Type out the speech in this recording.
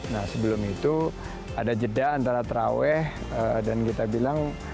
nah sebelum itu ada jeda antara terawih dan kita bilang